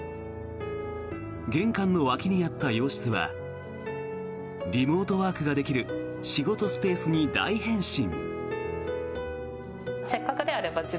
玄関の脇にあった洋室はリモートワークができる仕事スペースに大変身。